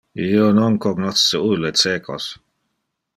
Io non cognosce ulle cecos.